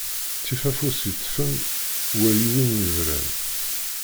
Ttif afus yeṭṭfen wal win yebran.